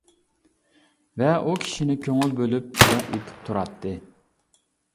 ۋە ئۇ كىشىنى كۆڭۈل بۆلۈپ ياد ئېتىپ تۇراتتى.